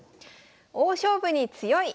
「大勝負に強い！